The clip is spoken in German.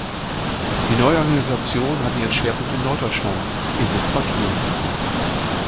Die neue Organisation hatte ihren Schwerpunkt in Norddeutschland, ihr Sitz war Kiel.